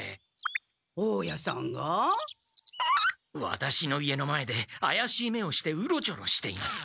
ワタシの家の前であやしい目をしてうろちょろしています。